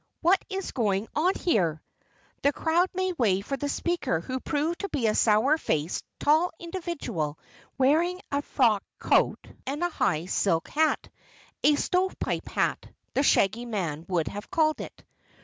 What is going on here?" The crowd made way for the speaker who proved to be a sour faced, tall individual, wearing a frock coat and a high silk hat a stovepipe hat, the Shaggy Man would have called it.